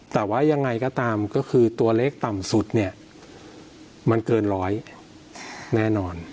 แต่ว่ายังไงก็ตามก็คือตัวเลขต่ำสุดเนี่ยมันเกินร้อยแน่นอน